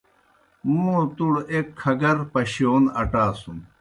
موں تُوْڑ ایْک کھگَر پشِیون اٹاسُن۔